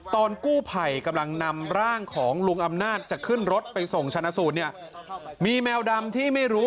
ตอนกู้ภัยกำลังนำร่างของลุงอำนาจจะขึ้นรถไปส่งชนะสูตรเนี่ยมีแมวดำที่ไม่รู้